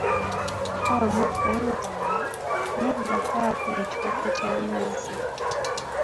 Kko Wamugga nti, "nedda kwako ekikopo kyamazzi."